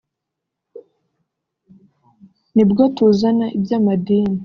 nibwo tuzana iby’amadini